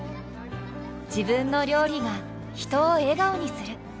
自分の料理が人を笑顔にする。